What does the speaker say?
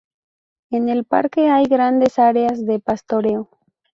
En el parque hay grandes áreas de pastoreo.